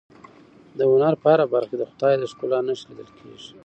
د هنر په هره برخه کې د خدای ج د ښکلا نښې لیدل کېږي.